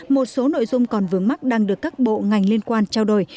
một số nội dung còn vướng mắt đang được các bộ ngành liên quan trao đổi